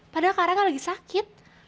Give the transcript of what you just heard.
padahal karangga lagi sakit